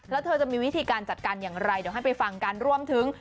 แล้วเธอจะมีวิธีการจัดการอย่างไรเดี๋ยวให้ไปฟังกันรวมถึง